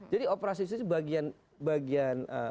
jadi operasi istri bagian